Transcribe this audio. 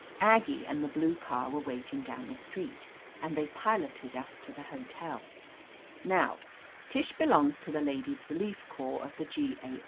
Aggie and 253 THE AMAZING ADVENTURE:^ the blue car were waiting down the street, and they piloted us to the hotel. Now, Tish belongs to the Ladies' Relief Corps of the G. A.